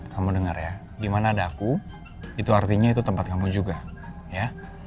kamu dengar ya gimana ada aku itu artinya itu tempat kamu juga ya